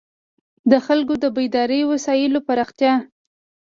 د خلکو د بېدارۍ وسایلو پراختیا.